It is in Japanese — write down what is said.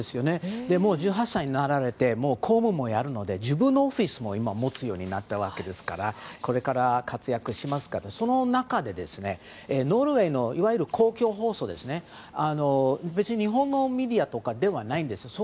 １８歳になられて公務もやるので自分のオフィスも持つようになったわけですからこれから、活躍しますけどその中でノルウェーのいわゆる公共放送で別に日本のメディアとかではないんです。